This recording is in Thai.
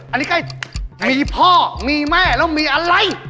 อันนี้ใกล้มีพ่อมีแม่แล้วมีอะไร